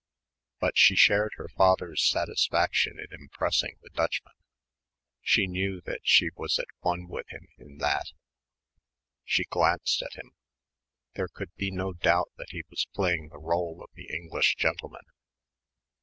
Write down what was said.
But she shared her father's satisfaction in impressing the Dutchman. She knew that she was at one with him in that. She glanced at him. There could be no doubt that he was playing the rôle of the English gentleman.